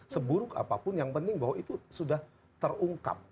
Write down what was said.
seburuk apapun yang penting bahwa itu sudah terungkap